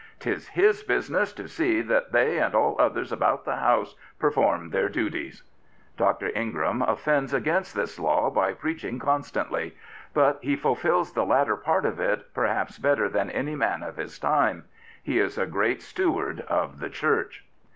'Tis his business to see that they and all others about the house perform their duties." Dr. Ingram offends against this law by preaching 164 The Bishop of London constantly; but he fulfils the latter part of it perhaps better than any man of his time. He is a great steward of the Church.